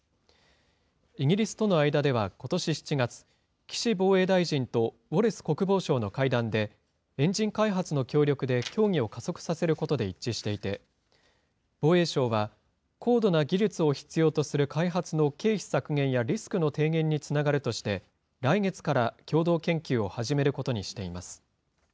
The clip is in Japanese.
イギリスとの間ではことし７月、岸防衛大臣とウォレス国防相の会談で、エンジン開発の協力で協議を加速させることで一致していて、防衛省は高度な技術を必要とする開発の経費削減やリスクの低減につながるとして、来月から共同研究を始めることにしています。